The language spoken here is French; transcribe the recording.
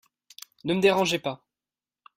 Ne me dérangez pas.